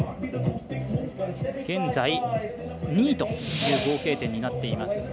現在、２位という合計点になっています。